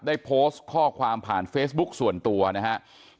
ได้โพสต์ข้อความผ่านเฟซบุ๊กส่วนตัวนะครับ